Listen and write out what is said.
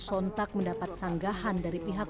sontak mendapat sanggahan dari pihak